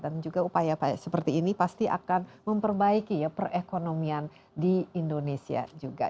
dan juga upaya upaya seperti ini pasti akan memperbaiki ya perekonomian di indonesia juga